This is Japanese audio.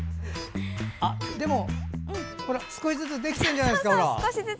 でも、少しずつできてるじゃないですか。